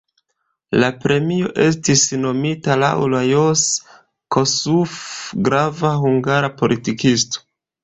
La premio estis nomita laŭ Lajos Kossuth, grava hungara politikisto.